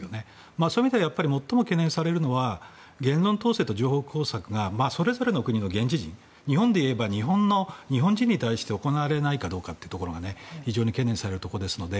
そういう意味ではやはり最も懸念されるのは言論統制と情報工作がそれぞれの現地人日本でいうと日本人に対して行われないかどうかが非常に懸念されるところですので。